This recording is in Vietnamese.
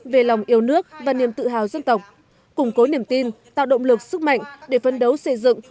về lòng yêu nước và niềm tự hào dân tộc củng cố niềm tin tạo động lực sức mạnh để phân đấu xây dựng